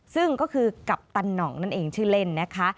ซึ่งก็คือกัปตันหน่องนั่นเองชื่อเล่นนะคะ